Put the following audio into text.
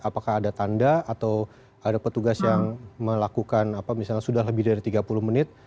apakah ada tanda atau ada petugas yang melakukan apa misalnya sudah lebih dari tiga puluh menit